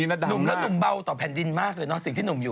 หนุ่มแล้วหนุ่มเบาต่อแผ่นดินมากเลยเนาะสิ่งที่หนุ่มอยู่